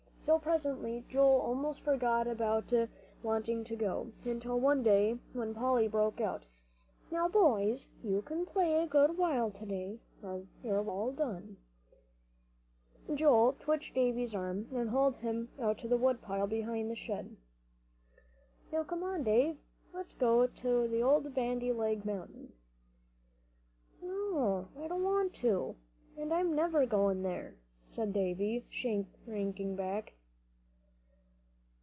So presently Joel almost forgot about wanting to go, until one day when Polly broke out, "Now, boys, you can play a good while to day; your work's all done up." Joel twitched Davie's arm and hauled him out to the woodpile behind the shed. "Now come on, Dave, let's go to old Bandy Leg Mountain." "No, I don't want to. I'm never goin' there," said Davie, shrinking back.